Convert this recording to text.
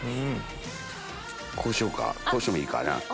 こうしようかこうしてもいいかな。